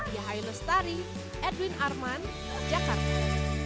yahai lestari edwin arman jakarta